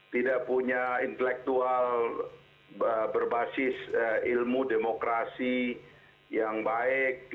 tidak punya intelektual berbasis ilmu demokrasi yang baik